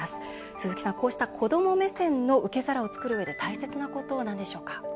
鈴木さん、こうした子ども目線の受け皿を作るうえで大切なことは何でしょうか？